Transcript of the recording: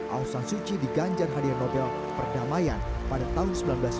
aung san suu kyi diganjan hadiah nobel perdamaian pada tahun seribu sembilan ratus sembilan puluh satu